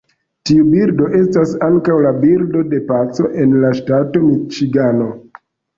Tiu birdo estas ankaŭ la birdo de paco en la ŝtato Miĉigano.